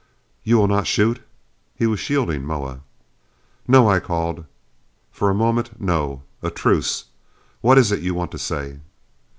You will not shoot?" He was shielding Moa. "No," I called. "For a moment, no. A truce. What is it you want to say?"